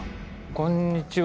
こんにちは。